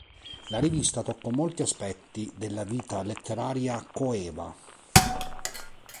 La rivista toccò molti aspetti della vita letteraria coeva.